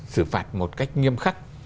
sử phạt một cách nghiêm khắc